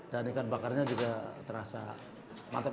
dan ikan bakarnya juga terasa mantap